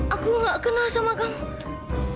aku gak kena sama kamu